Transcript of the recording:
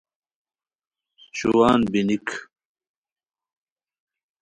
شوان بینیک